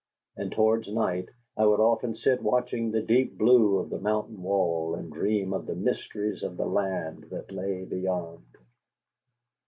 And towards night I would often sit watching the deep blue of the mountain wall and dream of the mysteries of the land that lay beyond.